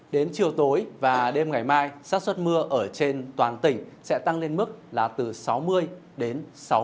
đến chiều tối và đêm ngày mai sát xuất mưa ở trên toàn tỉnh sẽ tăng lên mức là từ sáu mươi đến sáu mươi độ